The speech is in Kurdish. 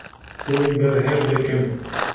Hûn berhev dikin.